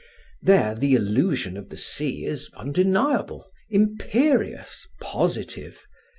There, the illusion of the sea is undeniable, imperious, positive.